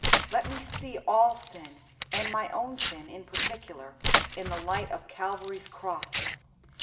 Let me see all sin, and my own sin in particular, in the light of Calvary's cross.